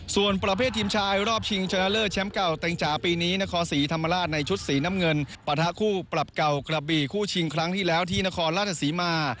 ส่วนประเภททีมชายรอบชิงชนะเลิศแชมป์เก่าเต็งจ๋าปีนี้นครศรีธรรมราชในชุดสีน้ำเงินปะทะคู่ปรับเก่ากระบี่คู่ชิงครั้งที่แล้วที่นครราชศรีมา